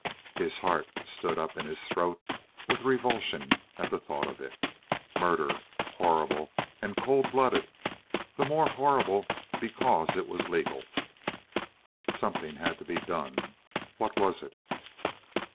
His heart stood up in his throat with revulsion at the thought of it. Murder, horrible, and cold blooded, the more horrible because it was legal. Something had to be done. What was it?